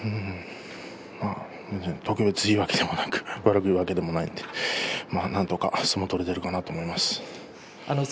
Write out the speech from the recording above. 特別いいわけでもなく悪いわけでもないのでなんとか相撲が取れているかなと思います。